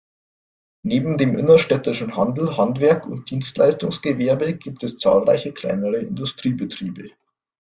Neben dem innerstädtischen Handel, Handwerk und Dienstleistungsgewerbe gibt es zahlreiche kleinere Industriebetriebe.